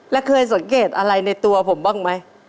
และเคยสังเกตอะไรในตัวผมบ้างไหม